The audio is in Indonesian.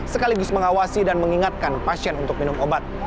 sekaligus mengawasi dan mengingatkan pasien untuk minum obat